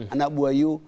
anak buah ibu